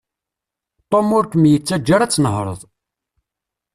Tom ur kem-yettaǧǧa ara ad tnehreḍ.